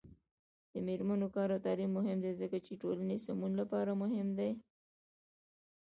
د میرمنو کار او تعلیم مهم دی ځکه چې ټولنې سمون لپاره مهم دی.